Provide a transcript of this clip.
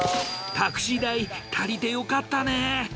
タクシー代足りてよかったね。